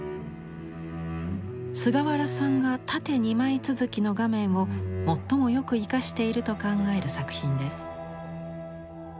菅原さんが縦２枚続きの画面を最もよく生かしていると考える作品です。